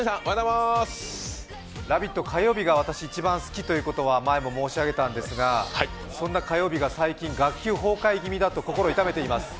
火曜日が一番好きということは前にも申し上げたんですが、そんな火曜日が最近、学級崩壊気味だと心痛めています。